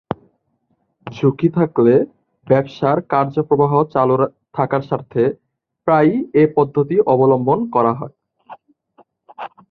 ঝুঁকি থাকলে ব্যবসার কার্য প্রবাহ চালু থাকার স্বার্থে প্রায়ই এ পদ্ধতি অবলম্বন করতে হয়।